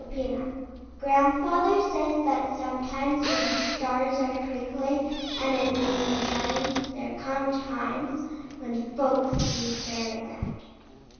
FAIRIES Grandfather says that sometimes, When stars are twinkling and A new moon shines, there come times When folks see fairy land!